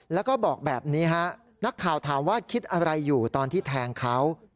แล้วก็บอกแบบนี้ฮะนักข่าวถามว่าคิดอะไรอยู่ตอนที่แทงเขา